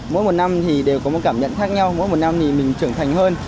mỗi một năm thì đều có một cảm nhận khác nhau mỗi một năm thì mình trưởng thành hơn